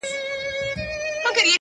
ضمير بې قراره پاتې کيږي تل